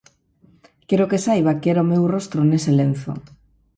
Quero que saiba que era o meu rostro nese lenzo.